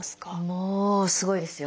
もうすごいですよ。